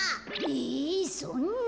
えそんな。